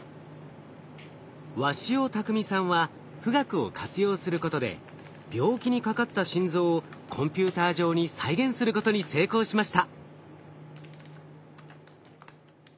鷲尾巧さんは富岳を活用することで病気にかかった心臓をコンピューター上に再現することに成功しました。